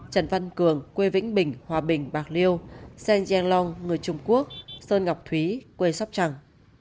trần văn cường quê vĩnh bình hòa bình bạc liêu seng giang long người trung quốc sơn ngọc thúy quê sóc trẳng